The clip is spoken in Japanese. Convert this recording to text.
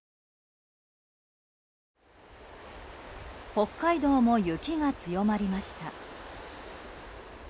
北海道も雪が強まりました。